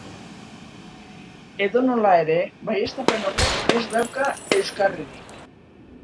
Edonola ere, baieztapen horrek ez dauka euskarririk.